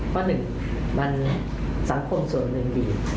เพราะหนึ่งมันสังคมส่วนหนึ่งดี